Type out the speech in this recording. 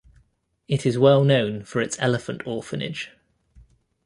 It is well known for its elephant orphanage.